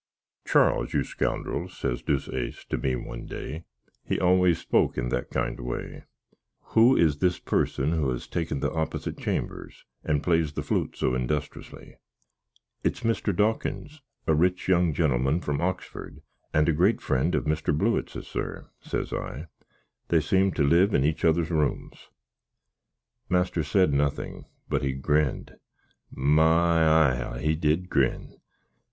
"Charles, you scoundrel," says Deuceace to me one day (he always spoak in that kind way), "who is this person that has taken the opsit chambers, and plays the flute so industrusly?" "It's Mr. Dawkins, a rich young gentleman from Oxford, and a great friend of Mr. Blewittses, sir," says I; "they seem to live in each other's rooms." Master said nothink, but he grin'd my eye, how he did grin!